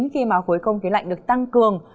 khi mà khối không khí lạnh được tăng cường